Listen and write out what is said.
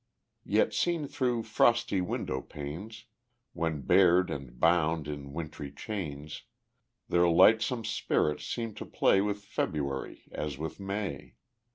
Yet seen through frosty window panes, When bared and bound in wintry chains, Their lightsome spirits seemed to play With February as with May.